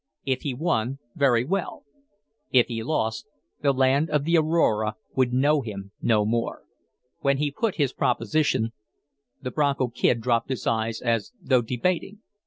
If he won, very well. If he lost, the land of the Aurora would know him no more. When he put his proposition, the Bronco Kid dropped his eyes as though debating.